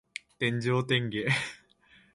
天上天下